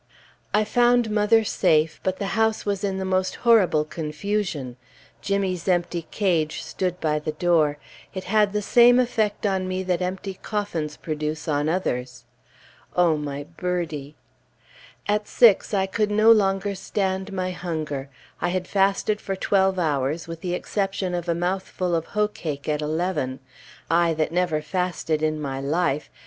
I found mother safe, but the house was in the most horrible confusion. Jimmy's empty cage stood by the door; it had the same effect on me that empty coffins produce on others. Oh, my birdie! At six, I could no longer stand my hunger. I had fasted for twelve hours, with the exception of a mouthful of hoe cake at eleven; I that never fasted in my life!